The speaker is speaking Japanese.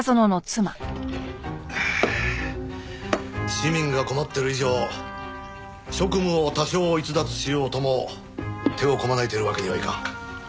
市民が困っている以上職務を多少逸脱しようとも手をこまねいているわけにはいかん。